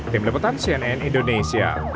tim leputan cnn indonesia